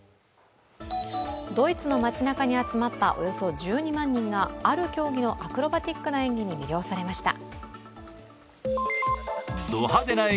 ドイツの街なかに集まったおよそ１２万人がある競技のアクロバティックな演技に魅了されました。